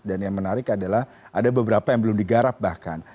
dan yang menarik adalah ada beberapa yang belum digarap bahkan